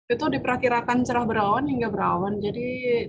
itu diperkirakan cerah berawan hingga berawan